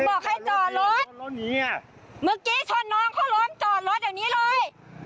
บอกให้จอดรถเมื่อกี้ชนน้องเขาล้มจอดรถอย่างนี้เลย